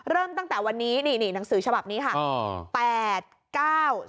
เริ่มตั้งแต่วันนี้นี่หนังสือฉบับนี้ค่ะ